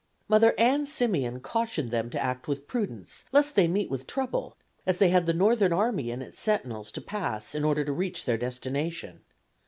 Mother Ann Simeon cautioned them to act with prudence, lest they meet with trouble, as they had the Northern Army and its sentinels to pass in order to reach their destination.